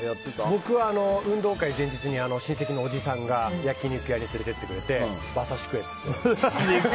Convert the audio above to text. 僕は運動会前日に親戚のおじさんが焼き肉屋に連れてってくれて馬刺し食えって。